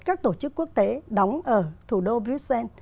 các tổ chức quốc tế đóng ở thủ đô bruxelles